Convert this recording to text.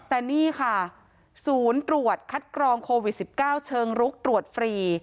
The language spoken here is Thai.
แต่นี่ค่ะศูนย์ตรวจคัดกรองโควิด๑๙เชิงรุกตรวจฟรี